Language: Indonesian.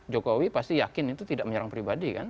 jokowi pasti yakin itu tidak menyerang pribadi kan